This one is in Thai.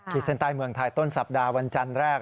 เส้นใต้เมืองไทยต้นสัปดาห์วันจันทร์แรก